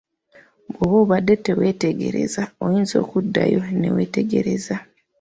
Bw'oba obadde teweetegerezza oyinza okuddayo ne weetegereza.